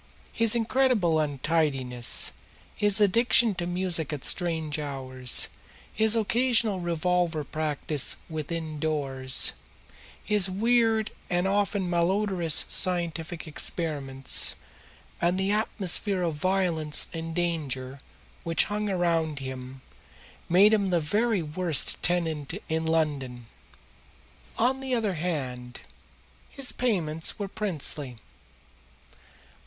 His incredible untidiness, his addiction to music at strange hours, his occasional revolver practice within doors, his weird and often malodorous scientific experiments, and the atmosphere of violence and danger which hung around him made him the very worst tenant in London. On the other hand, his payments were princely.